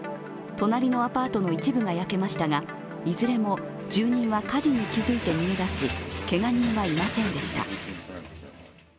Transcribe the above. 隣のアパートの一部が焼けましたがいずれも住民は火事に気付いて逃げ出しけが人はいませんでした。